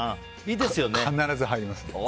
必ず入りますね。